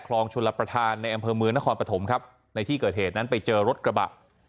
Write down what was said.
ชลประธานในอำเภอเมืองนครปฐมครับในที่เกิดเหตุนั้นไปเจอรถกระบะ